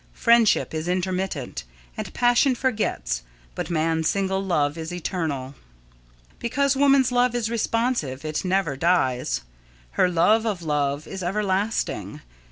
Friendship is intermittent and passion forgets, but man's single love is eternal. Because woman's love is responsive, it never dies. Her love of love is everlasting.